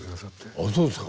あっそうですか。